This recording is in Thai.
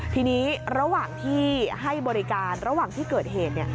ทีนี้ระหว่างที่ให้บริการระหว่างที่เกิดเหตุ